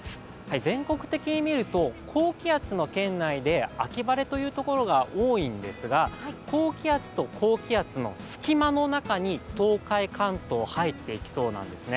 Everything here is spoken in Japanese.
全国的に見ると、高気圧の圏内で、秋晴れというところが多いんですが高気圧と高気圧の隙間の中に東海・関東、入っていきそうなんですね。